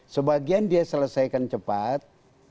sebagian dia selesaikan cepat